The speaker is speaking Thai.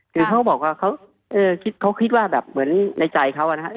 หรือเขาบอกว่าเขาเอ่อเขาคิดว่าแบบเหมือนในใจเขาอะนะฮะ